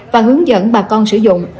và hướng dẫn bà con sử dụng